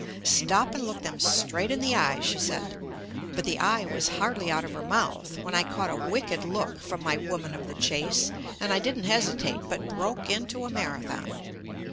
"Stop and look them straight in the eye," she said, but the "eye" was hardly out of her mouth when I caught a wicked look from my woman of the chase, and I didn't hesi tate, but broke into a marathon.